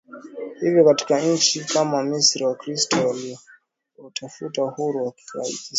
Hivyo katika nchi kama Misri Wakristo waliotafuta uhuru wa kisiasa